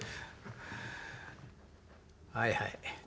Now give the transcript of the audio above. はいはい。